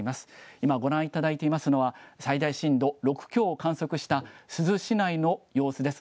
今、ご覧いただいていますのは、最大震度６強を観測した珠洲市内の様子です。